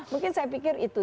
mungkin saya pikir itu